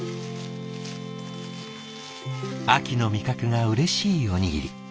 秋の味覚がうれしいおにぎり。